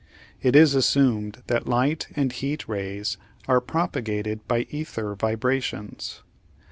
It is assumed that light and heat rays are propagated by ether vibrations.